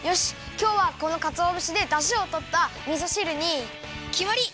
きょうはこのかつおぶしでだしをとったみそ汁にきまり！